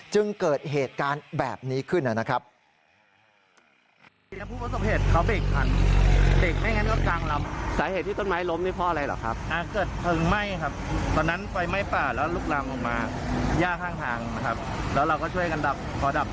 จึงเกิดเหตุการณ์แบบนี้ขึ้นนะครับ